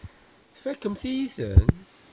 Tfakemt-iyi-ten.